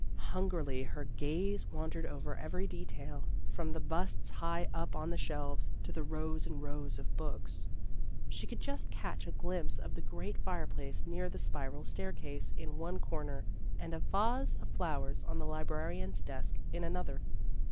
Hungrily her gaze wandered over every detail, from the busts high up on the shelves to the rows and rows of books. She could just catch a glimpse of the great fireplace near the spiral stair case in one corner, and a vase of flowers on the librarian's desk in another.